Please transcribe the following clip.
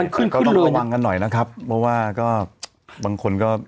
ก็ต้องระวังกันหน่อยนะครับเพราะว่าก็บางคนก็